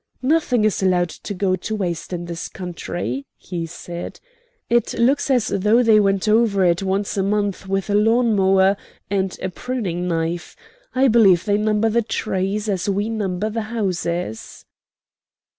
"Nothing is allowed to go to waste in this country," he said. "It looks as though they went over it once a month with a lawn mower and a pruning knife. I believe they number the trees as we number the houses."